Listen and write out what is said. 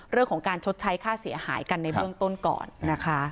เรื่องของการชดใช้ค่าเสียหายกันในเบื้องต้นก่อนนะคะ